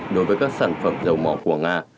đối với các sản phẩm dầu mỏ của nga